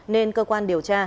nên cơ quan điều tra